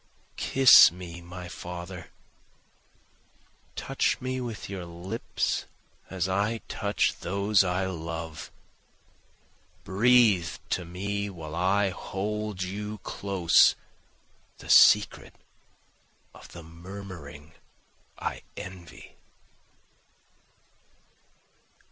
Kiss me my father, Touch me with your lips as I touch those I love, Breathe to me while I hold you close the secret of the murmuring I envy.